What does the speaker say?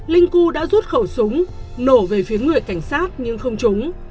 linh cư đã rút khẩu súng nổ về phía người cảnh sát nhưng không trúng